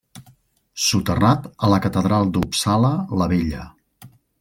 Soterrat a la catedral d'Uppsala la Vella.